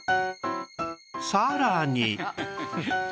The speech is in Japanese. さらに